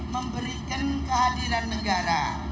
membuatkan kehadiran negara